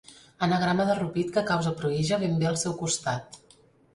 Anagrama de Rupit que causa pruïja ben bé al seu costat.